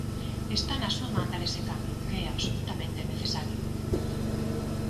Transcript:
Está na súa man dar ese cambio, que é absolutamente necesario.